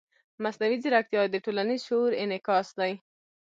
مصنوعي ځیرکتیا د ټولنیز شعور انعکاس دی.